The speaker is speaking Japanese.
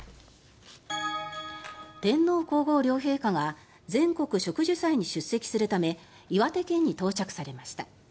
天皇・皇后両陛下が全国植樹祭に出席するため岩手県に到着されました。